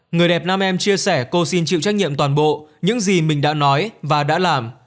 người đẹp nam em chia sẻ cô xin chịu trách nhiệm toàn bộ những gì mình đã nói và đã làm